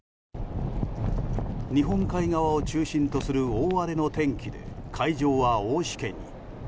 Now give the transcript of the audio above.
日本海側を中心とする大荒れの天気で海上は大しけに。